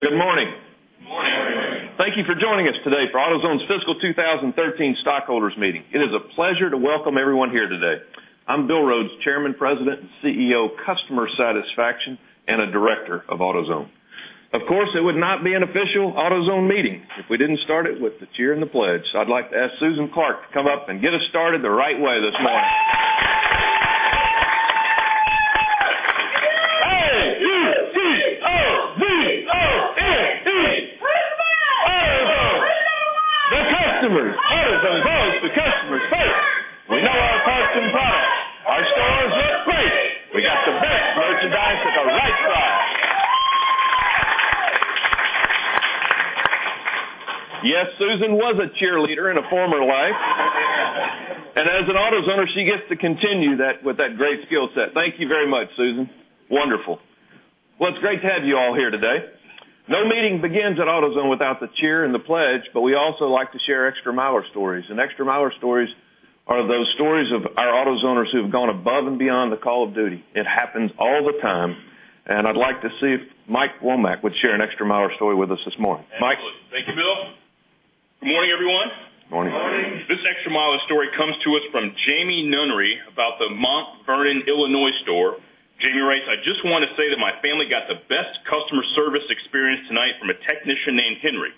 Good morning. Morning. Thank you for joining us today for AutoZone's fiscal 2013 stockholders meeting. It is a pleasure to welcome everyone here today. I'm Bill Rhodes, Chairman, President, and CEO of Customer Satisfaction, and a director of AutoZone. Of course, it would not be an official AutoZone meeting if we didn't start it with the cheer and the pledge. I'd like to ask Susan Clark to come up and get us started the right way this morning. A-U-T-O-Z-O-N-E. Who's the best? AutoZone. We're number one. The customers. AutoZone always puts customers first. We know our parts and products. Our stores look great. We've got the best merchandise at the right price. Yes, Susan was a cheerleader in a former life. As an AutoZoner, she gets to continue with that great skill set. Thank you very much, Susan. Wonderful. Well, it's great to have you all here today. No meeting begins at AutoZone without the cheer and the pledge. We also like to share Extra Miler stories. Extra Miler stories are those stories of our AutoZoners who've gone above and beyond the call of duty. It happens all the time, and I'd like to see if Mike Womack would share an Extra Miler story with us this morning. Mike? Absolutely. Thank you, Bill. Good morning, everyone. Morning. This Extra Miler story comes to us from Jamie Nunnery about the Mount Vernon, Illinois store. Jamie writes, "I just want to say that my family got the best customer service experience tonight from a technician named Henry.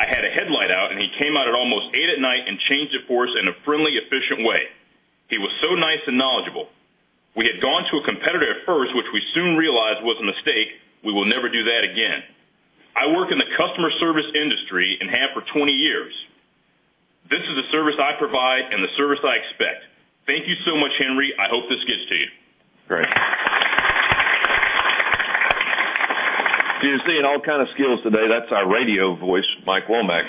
I had a headlight out, and he came out at almost 8:00 P.M. and changed it for us in a friendly, efficient way. He was so nice and knowledgeable. We had gone to a competitor at first, which we soon realized was a mistake. We will never do that again. I work in the customer service industry and have for 20 years. This is the service I provide and the service I expect. Thank you so much, Henry. I hope this gets to you. Great. You're seeing all kind of skills today. That's our radio voice, Mike Womack.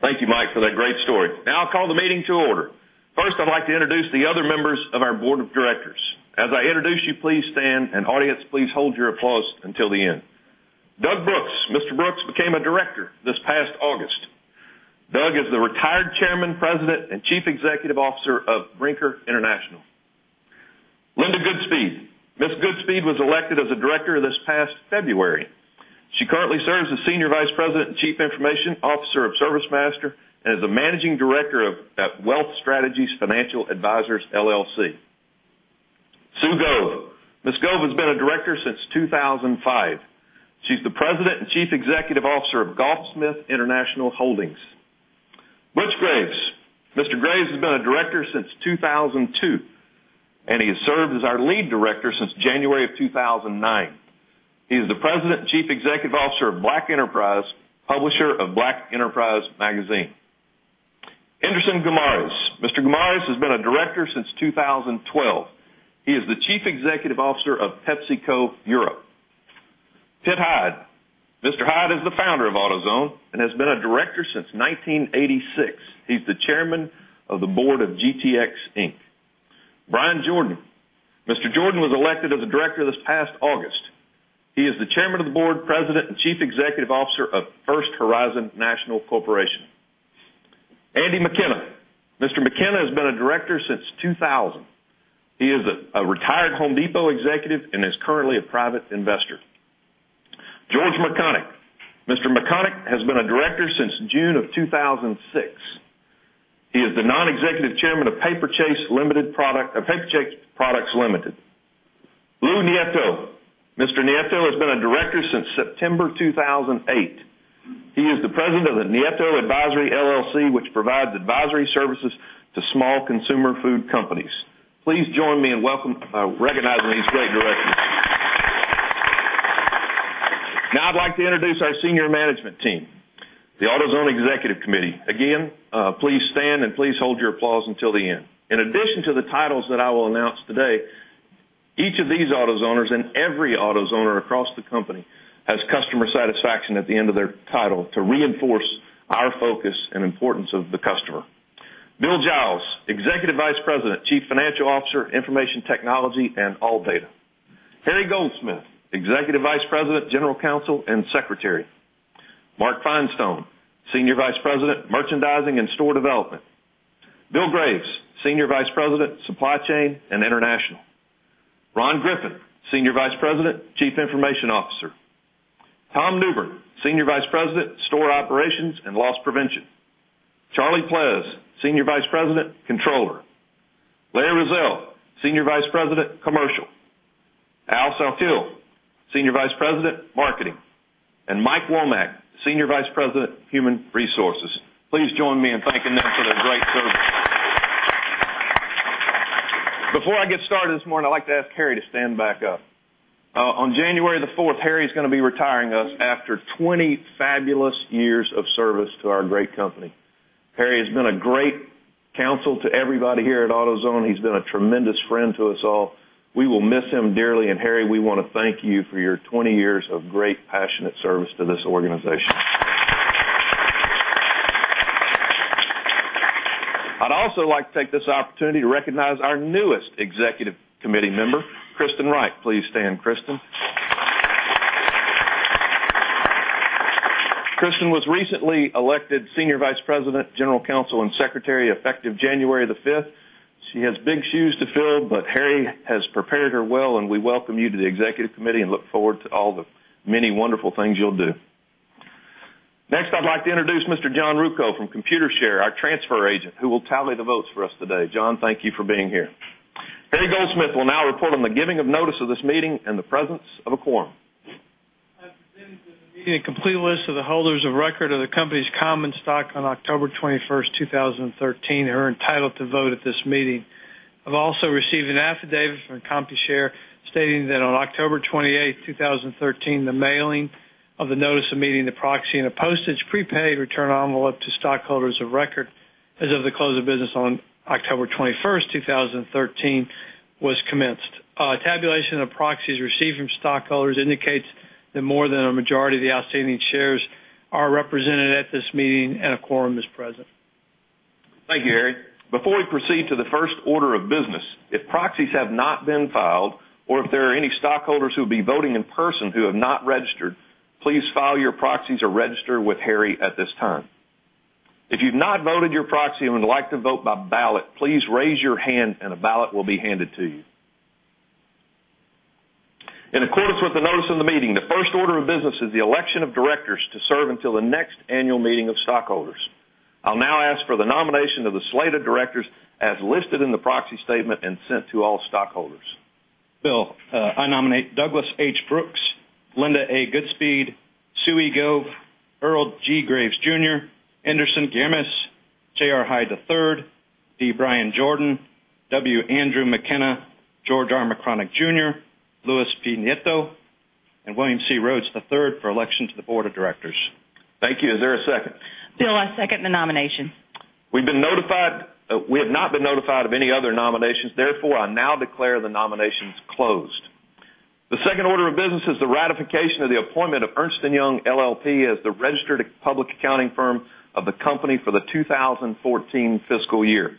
Thank you, Mike, for that great story. I call the meeting to order. First, I'd like to introduce the other members of our board of directors. As I introduce you, please stand, and audience, please hold your applause until the end. Doug Brooks. Mr. Brooks became a director this past August. Doug is the retired chairman, president, and chief executive officer of Brinker International. Linda Goodspeed. Ms. Goodspeed was elected as a director this past February. She currently serves as senior vice president and chief information officer of ServiceMaster, and is a managing director at Wealth Strategies Financial Advisors LLC. Sue Gove. Ms. Gove has been a director since 2005. She's the president and chief executive officer of Golfsmith International Holdings. Butch Graves. Mr. Graves has been a director since 2002. He has served as our lead director since January of 2009. He is the president and chief executive officer of Black Enterprise, publisher of Black Enterprise Magazine. Enderson Guimarães. Mr. Guimarães has been a director since 2012. He is the chief executive officer of PepsiCo Europe. Pitt Hyde. Mr. Hyde is the founder of AutoZone and has been a director since 1986. He's the chairman of the board of Pittco Inc. Brian Jordan. Mr. Jordan was elected as a director this past August. He is the chairman of the board, president, and chief executive officer of First Horizon National Corporation. Andy McKenna. Mr. McKenna has been a director since 2000. He is a retired The Home Depot executive and is currently a private investor. George McConnochie. Mr. McConnochie has been a director since June of 2006. He is the non-executive chairman of Paperchase Products Limited. Lou Nieto. Mr. Nieto has been a Director since September 2008. He is the President of the Nieto Advisory LLC, which provides advisory services to small consumer food companies. Please join me in recognizing these great Directors. Now I'd like to introduce our senior management team, the AutoZone Executive Committee. Again, please stand, and please hold your applause until the end. In addition to the titles that I will announce today, each of these AutoZoners, and every AutoZoner across the company, has customer satisfaction at the end of their title to reinforce our focus and importance of the customer. Bill Giles, Executive Vice President, Chief Financial Officer, Information Technology, and ALLDATA. Harry Goldsmith, Executive Vice President, General Counsel, and Secretary. Mark Finestone, Senior Vice President, Merchandising, and Store Development. Bill Graves, Senior Vice President, Supply Chain, and International. Ron Griffin, Senior Vice President, Chief Information Officer. Tom Newbern, Senior Vice President, Store Operations, and Loss Prevention. Charlie Pleas, Senior Vice President, Controller. Larry Roesel, Senior Vice President, Commercial. Al Saltiel, Senior Vice President, Marketing, and Mike Womack, Senior Vice President, Human Resources. Please join me in thanking them for their great service. Before I get started this morning, I'd like to ask Harry to stand back up. On January the 4th, Harry's going to be retiring us after 20 fabulous years of service to our great company. Harry has been a great counsel to everybody here at AutoZone. He's been a tremendous friend to us all. We will miss him dearly, and Harry, we want to thank you for your 20 years of great, passionate service to this organization. I'd also like to take this opportunity to recognize our newest Executive Committee member, Kristen Wright. Please stand, Kristen. Kristen was recently elected Senior Vice President, General Counsel, and Secretary effective January the 5th. She has big shoes to fill, but Harry has prepared her well, and we welcome you to the Executive Committee and look forward to all the many wonderful things you'll do. Next, I'd like to introduce Mr. John Ruocco from Computershare, our transfer agent, who will tally the votes for us today. John, thank you for being here. Harry Goldsmith will now report on the giving of notice of this meeting and the presence of a quorum. I present to the meeting a complete list of the holders of record of the company's common stock on October 21st, 2013 are entitled to vote at this meeting. I've also received an affidavit from Computershare stating that on October 28th, 2013, the mailing of the notice of meeting, the proxy, and a postage prepaid return envelope to stockholders of record as of the close of business on October 21st, 2013, was commenced. A tabulation of proxies received from stockholders indicates that more than a majority of the outstanding shares are represented at this meeting, and a quorum is present. Thank you, Harry. Before we proceed to the first order of business, if proxies have not been filed or if there are any stockholders who will be voting in person who have not registered, please file your proxies or register with Harry at this time. If you've not voted your proxy and would like to vote by ballot, please raise your hand and a ballot will be handed to you. In accordance with the notice of the meeting, the first order of business is the election of directors to serve until the next annual meeting of stockholders. I'll now ask for the nomination of the slate of directors as listed in the proxy statement and sent to all stockholders. Bill, I nominate Douglas H. Brooks, Linda A. Goodspeed, Sue Gove, Earl G. Graves Jr., Enderson Guimaraes, J. R. Hyde III, D. Bryan Jordan, W. Andrew McKenna, George R. Mrkonic, Jr., Luis P. Nieto, and William C. Rhodes, III for election to the board of directors. Thank you. Is there a second? Bill, I second the nomination. We have not been notified of any other nominations. Therefore, I now declare the nominations closed. The second order of business is the ratification of the appointment of Ernst & Young LLP as the registered public accounting firm of the company for the 2014 fiscal year.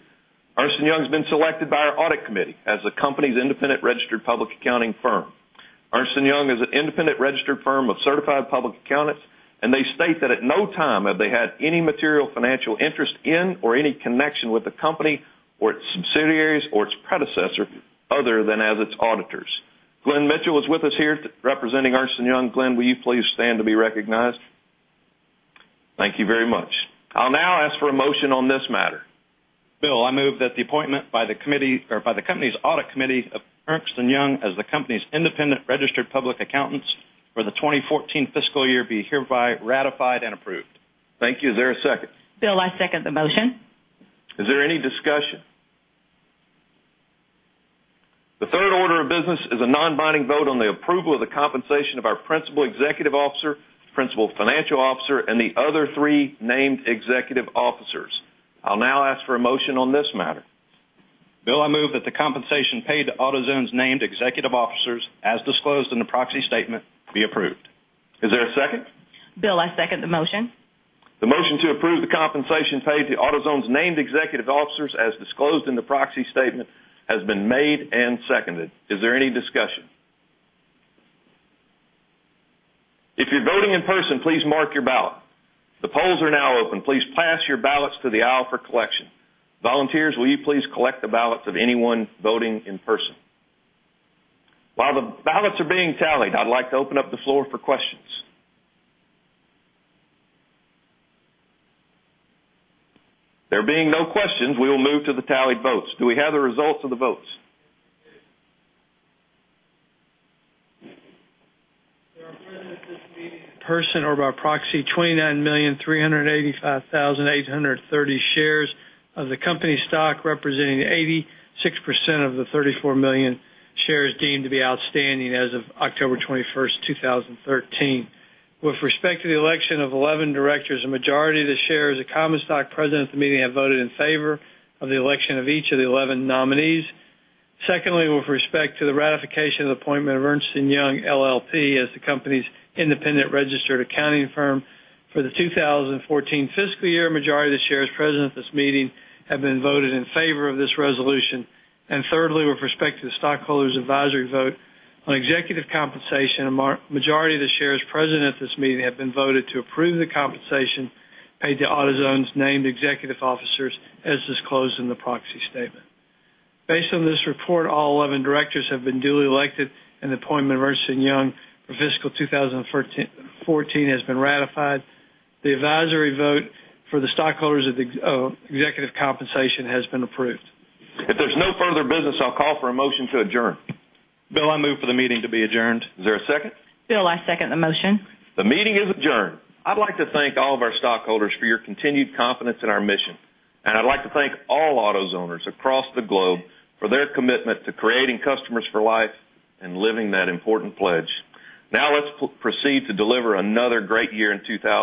Ernst & Young has been selected by our audit committee as the company's independent registered public accounting firm. Ernst & Young is an independent registered firm of certified public accountants, and they state that at no time have they had any material financial interest in or any connection with the company or its subsidiaries or its predecessor other than as its auditors. Glenn Mitchell is with us here representing Ernst & Young. Glenn, will you please stand to be recognized? Thank you very much. I'll now ask for a motion on this matter. Bill, I move that the appointment by the company's audit committee of Ernst & Young as the company's independent registered public accountants for the 2014 fiscal year be hereby ratified and approved. Thank you. Is there a second? Bill, I second the motion. Is there any discussion? The third order of business is a non-binding vote on the approval of the compensation of our principal executive officer, principal financial officer, and the other three named executive officers. I'll now ask for a motion on this matter. Bill, I move that the compensation paid to AutoZone's named executive officers, as disclosed in the proxy statement, be approved. Is there a second? Bill, I second the motion. The motion to approve the compensation paid to AutoZone's named executive officers, as disclosed in the proxy statement, has been made and seconded. Is there any discussion? If you're voting in person, please mark your ballot. The polls are now open. Please pass your ballots to the aisle for collection. Volunteers, will you please collect the ballots of anyone voting in person? While the ballots are being tallied, I'd like to open up the floor for questions. There being no questions, we will move to the tallied votes. Do we have the results of the votes? There are present at this meeting in person or by proxy 29,385,830 shares of the company stock, representing 86% of the 34 million shares deemed to be outstanding as of October 21st, 2013. With respect to the election of 11 directors, a majority of the shares of common stock present at the meeting have voted in favor of the election of each of the 11 nominees. Secondly, with respect to the ratification of the appointment of Ernst & Young LLP as the company's independent registered accounting firm for the 2014 fiscal year, a majority of the shares present at this meeting have been voted in favor of this resolution. Thirdly, with respect to the stockholders' advisory vote on executive compensation, a majority of the shares present at this meeting have been voted to approve the compensation paid to AutoZone's named executive officers as disclosed in the proxy statement. Based on this report, all 11 directors have been duly elected. The appointment of Ernst & Young for fiscal 2014 has been ratified. The advisory vote for the stockholders of executive compensation has been approved. If there's no further business, I'll call for a motion to adjourn. Bill, I move for the meeting to be adjourned. Is there a second? Bill, I second the motion. The meeting is adjourned. I'd like to thank all of our stockholders for your continued confidence in our mission. I'd like to thank all AutoZoners across the globe for their commitment to creating customers for life and living that important pledge. Now let's proceed to deliver another great year.